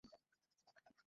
এখন রাস্তা মাপো।